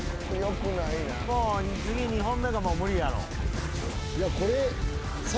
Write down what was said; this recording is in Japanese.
もう次２本目無理やろ。